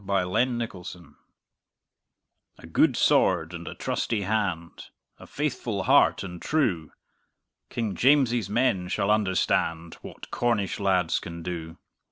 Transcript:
"Trelawny"[edit] A good sword and a trusty hand! A merry heart and true! King James's men shall understand What Cornish lads can do!